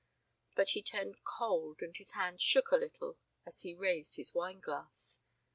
But he turned cold and his hand shook a little as he raised his wine glass.